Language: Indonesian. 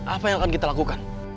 apa yang akan kita lakukan